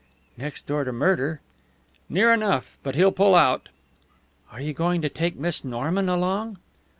"Next door to murder." "Near enough, but he'll pull out." "Are you going to take Miss Norman along?"